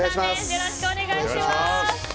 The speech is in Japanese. よろしくお願いします。